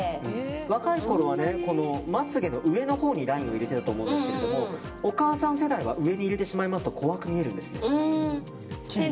若いころはまつ毛の上のほうにラインを入れてたと思うんですけれどもお母さん世代は上に入れてしまいますと怖く見えるんですね。